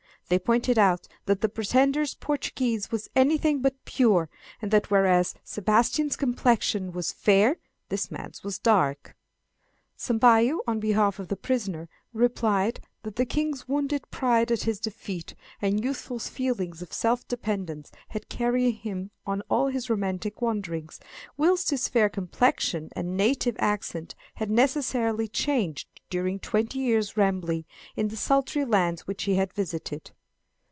They pointed out that the pretender's Portuguese was anything but pure, and that whereas Sebastian's complexion was fair this man's was dark. Sampayo, on behalf of the prisoner, replied that the king's wounded pride at his defeat, and youthful feelings of self dependence, had carried him into all his romantic wanderings, whilst his fair complexion and native accent had necessarily changed during twenty years' rambling in the sultry lands which he had visited.